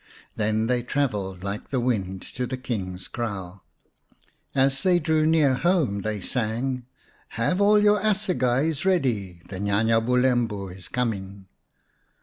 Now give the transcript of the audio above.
Then they travelled like the wind to the King's kraal. As they drew near home they sang :" Have all your assegais ready ! The Nya nya Bulembu is coining